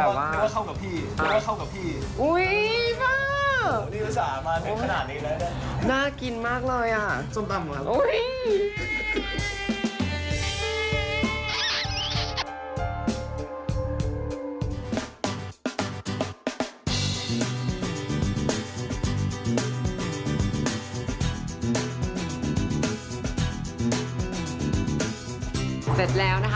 คือหลายคนเพิ่งทราบว่าจินนี่เปิดร้านส้มตำที่มาที่ไปที่ทำไมถึงเปิดร้านได้คะ